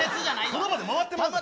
その場で回ってまうで。